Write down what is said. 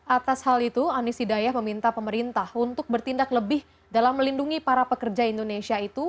atas hal itu anies hidayah meminta pemerintah untuk bertindak lebih dalam melindungi para pekerja indonesia itu